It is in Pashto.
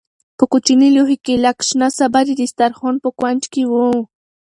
په کوچني لوښي کې لږ شنه سابه د دسترخوان په کونج کې وو.